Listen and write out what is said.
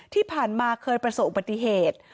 ที่ผ่านมาเคยประสบอุบัติเหตุ